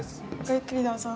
ゆっくりどうぞ。